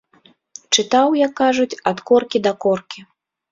Чытаў, як кажуць, ад коркі да коркі.